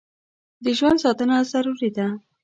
د ژوند ساتنه ضروري ده.